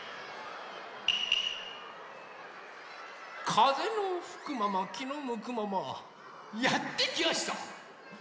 かぜのふくままきのむくままやってきやした。